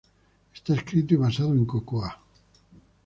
Está escrito y basado en Cocoa.